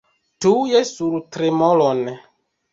Tuj sur tremolon!